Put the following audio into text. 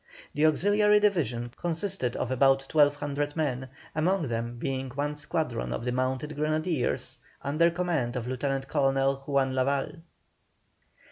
The auxiliary division consisted of about 1,200 men, among them being one squadron of the mounted grenadiers, under command of Lieutenant Colonel Juan Lavalle.